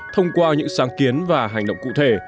thông qua những sáng kiến và hành động cụ thể